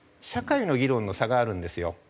社会の議論の差があるんですよ。